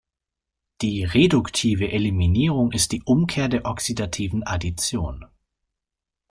Die "reduktive Eliminierung" ist die Umkehr der oxidativen Addition.